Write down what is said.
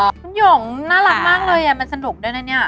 คุณหยงน่ารักมากเลยมันสนุกด้วยนะเนี่ย